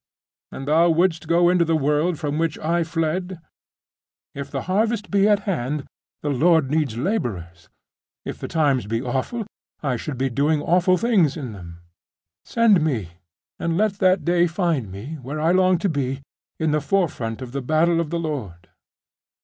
And thou wouldst go into the world from which I fled?' 'If the harvest be at hand, the Lord needs labourers. If the times be awful, I should be doing awful things in them. Send me, and let that day find me, where I long to be, in the forefront of the battle of the Lord.